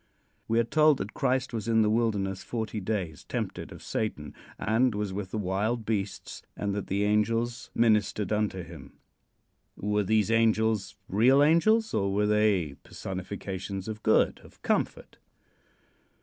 We are told that Christ was in the wilderness forty days tempted of Satan, and was with the wild beasts, and that the angels ministered unto him. Were these angels real angels, or were they personifications of good, of comfort?